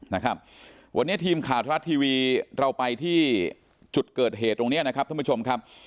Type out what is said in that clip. นะครับวันนี้ทีมข่าวทรัฐทีวีเราไปที่จุดเกิดเหตุตรงเนี้ยนะครับท่านผู้ชมครับ